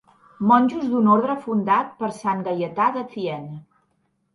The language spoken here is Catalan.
Monjos d'un orde fundat per sant Gaietà de Thiene.